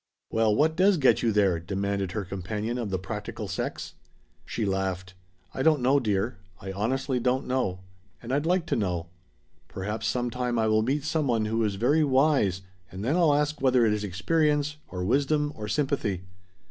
"Well, what does get you there?" demanded her companion of the practical sex. She laughed. "I don't know, dear. I honestly don't know. And I'd like to know. Perhaps some time I will meet some one who is very wise, and then I'll ask whether it is experience, or wisdom, or sympathy.